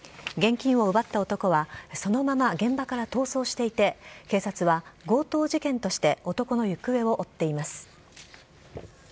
現金を奪った男は、そのまま現場から逃走していて、警察は強盗事件として男の行方を追っています。